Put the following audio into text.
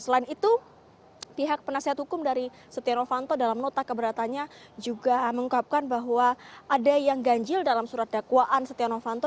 selain itu pihak penasihat hukum dari setia novanto dalam nota keberatannya juga mengungkapkan bahwa ada yang ganjil dalam surat dakwaan setia novanto